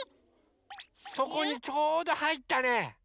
そこにちょうどはいったね。